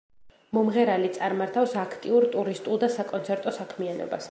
მომღერალი წარმართავს აქტიურ ტურისტულ და საკონცერტო საქმიანობას.